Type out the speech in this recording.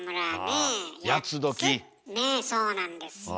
ねえそうなんですよ。